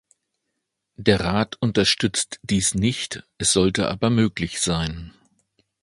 Der Rat unterstützt dies nicht, es sollte aber möglich sein.